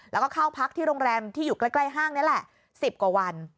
แล้วก็เข้าพักที่โรงแรมที่อยู่ใกล้ห้างนี่แหละ๑๐กว่าวัน